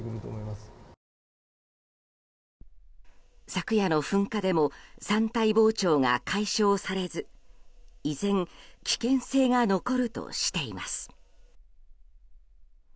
昨夜の噴火でも山体膨張が解消されず依然、危険性が残るとしています。